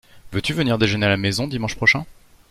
Veux-tu venir déjeuner à la maison dimanche prochain?